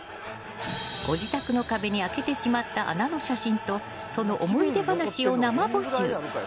ご自宅の壁に開けてしまった穴の写真とその思い出話を生募集。